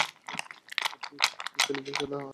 আপ্পি এটা ছেলেদের খেলা।